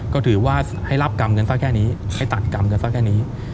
ก็ถือว่าให้รับกรรมเงินซะแค่นี้ให้ตัดกรรมกันซะแค่นี้